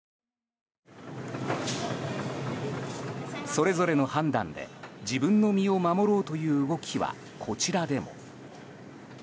それぞれの判断で自分の身を守ろうという動きはこちらでも。